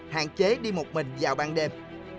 một hạn chế đi một mình vào ban đêm